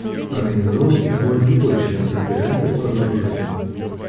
Организовывать их волен любой член Конференции по разоружению.